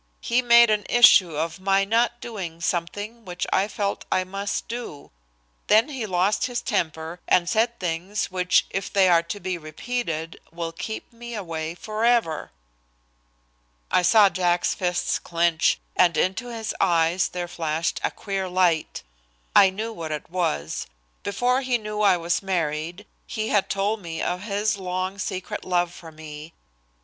"He made an issue of my not doing something which I felt I must do. Then he lost his temper and said things which if they are to be repeated, will keep me away forever!" I saw Jack's fists clench, and into his eyes there flashed a queer light. I knew what it was. Before he knew I was married he had told me of his long secret love for me.